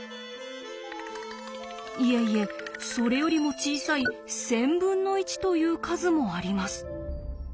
いえいえそれよりも小さい１，０００分の１という数もあります。